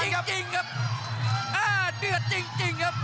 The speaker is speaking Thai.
เดือดจริงครับเดือดจริงครับ